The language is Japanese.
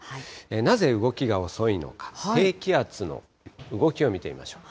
なぜ動きが遅いのか、低気圧の動きを見てみましょう。